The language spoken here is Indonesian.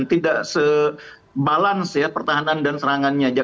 tidak se balans ya pertahanan dan serangannya